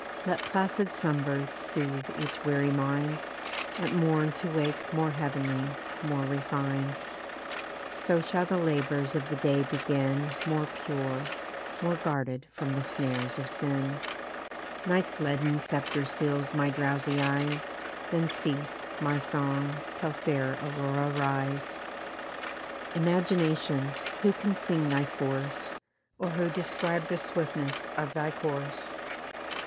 Let placid slumbers sooth each weary mind, At morn to wake more heav'nly, more refin'd; So shall the labours of the day begin More pure, more guarded from the snares of sin. Night's leaden sceptre seals my drowsy eyes, Then cease, my song, till fair Aurora rise. Imagination! Who can sing thy force? Or who describe the swiftness of thy course?